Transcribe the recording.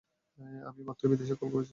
আমি মাত্রই বিদেশে কল করেছি।